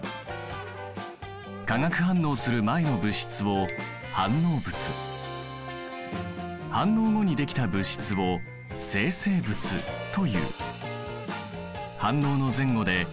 化学反応する前の物質を反応物反応後にできた物質を生成物という。